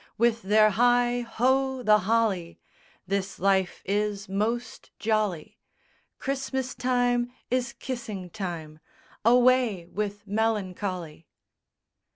With their "heigh ho, the holly! This life is most jolly!" Christmas time is kissing time, Away with melancholy!